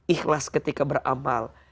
ikhlas ketika beramal